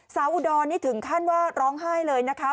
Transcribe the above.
อุดรนี่ถึงขั้นว่าร้องไห้เลยนะคะ